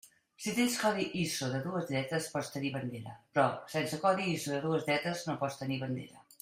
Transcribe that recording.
Si tens codi ISO de dues lletres, pots tenir bandera, però sense codi ISO de dues lletres no pots tenir bandera.